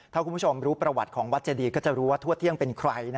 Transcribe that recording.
ถ้าคุณผู้ชมรู้ประวัติของวัดเจดีก็จะรู้ว่าทั่วเที่ยงเป็นใคร